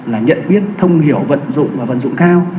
là nhận biết thông hiểu vận dụng và vận dụng cao